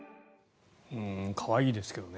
可愛いですけどね。